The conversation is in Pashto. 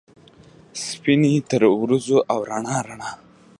سپینې ترورځو ، او رڼا ، رڼا